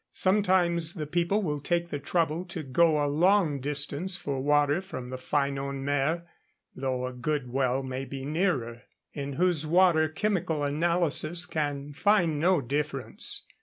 Sometimes the people will take the trouble to go a long distance for water from the Ffynon Mair, though a good well may be nearer, in whose water chemical analysis can find no difference.